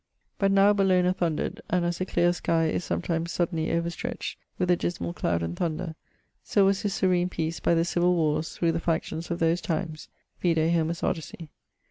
D. But now Bellona thundered, and as a cleare skie is sometimes suddenly overstretch with a dismall cloud and thunder, so was this serene peace by the civill warres through the factions of those times; vide Homer's Odyssey.